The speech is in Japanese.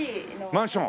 マンション？